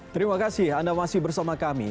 terima kasih anda masih bersama kami